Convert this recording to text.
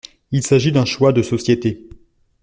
Il s’agit d’un choix de société.